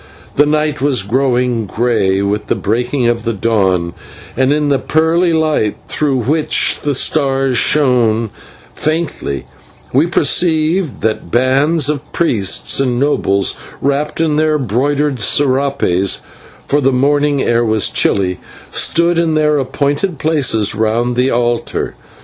The night was growing grey with the breaking of the dawn, and in the pearly light, through which the stars shone faintly, we perceived that bands of priests and nobles, wrapped in their broidered /serapes/ for the morning air was chilly stood in their appointed places round the altar.